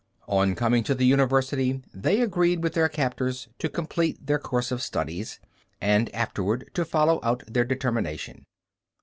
On coming to the university they agreed with their captors to complete their course of studies, and afterward to follow out their determination.